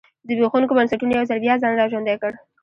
زبېښونکو بنسټونو یو ځل بیا ځان را ژوندی کړ.